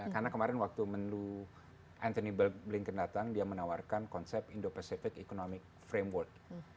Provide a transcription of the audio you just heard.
karena kemarin waktu menu anthony blinken datang dia menawarkan konsep indo pesitif economic framework